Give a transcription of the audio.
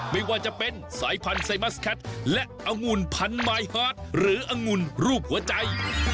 ไม่ว่าจะเป็นสายพันธุ์ไซมัสแคทและองุ่นพันมายฮาร์ดหรือองุ่นรูปหัวใจ